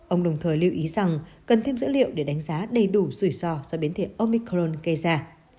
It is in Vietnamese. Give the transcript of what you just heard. ông đồng thời lưu ý rằng cần thêm dữ liệu để đánh giá đầy đủ rủi ro do biến thể omicron gây ra